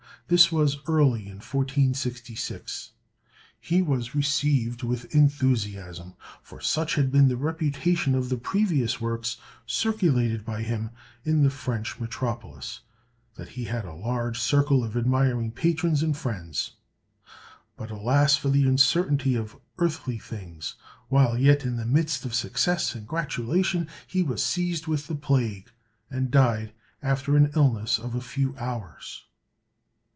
This was early in 1466. He was received with enthusiasm; for such had been the reputation of the previous works circulated by him in the French metropolis, that he had a large circle of admiring patrons and friends. But alas for the uncertainty of earthly things! while yet in the midst of success and gratulation, he was seized with the plague, and died after an illness of a few hours!